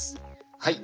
はい。